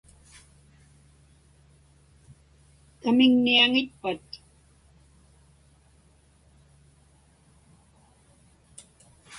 Kamiŋniaŋitpat?